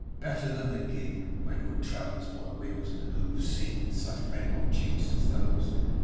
Better than the gig! When were travellers by wheels and hoofs seen with such red hot cheeks as those?